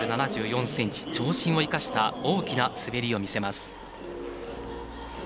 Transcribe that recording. １ｍ７４ｃｍの長身を生かした大きな滑りを見せます。